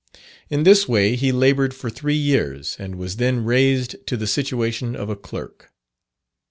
In this way he laboured for three years, and was then raised to the situation of a clerk.